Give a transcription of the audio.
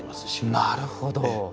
なるほど。